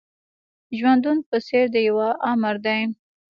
ژوندون په څېر د يوه آمر دی.